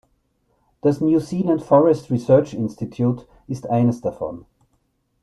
Das "New Zealand Forest Research Institute" ist eines davon.